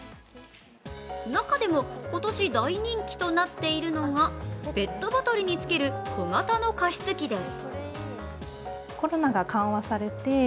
中でも今年大人気となっているのがペットボトルにつける小型の加湿器です。